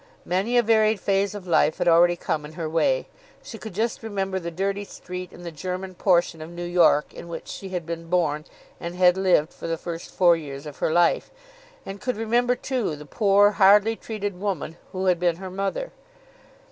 Many a varied phase of life had already come in her way. She could just remember the dirty street in the German portion of New York in which she had been born and had lived for the first four years of her life, and could remember too the poor, hardly treated woman who had been her mother.